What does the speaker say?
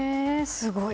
すごい。